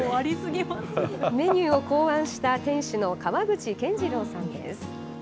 メニューを考案した店主の川口謙二郎さんです。